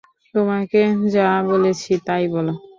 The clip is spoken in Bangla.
তোমাকে যা বলেছি তাই বলো।